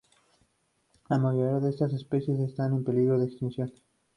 La mayorías de estas especies están en peligro de extinción.